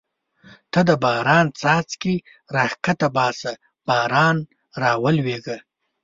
ته د باران څاڅکي را کښېباسه باران راولېږه.